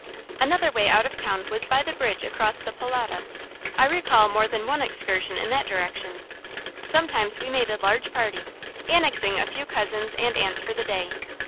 Another way out of town was by the bridge across the Polota. I recall more than one excursion in that direction. Sometimes we made a large party, annexing a few cousins and aunts for the day.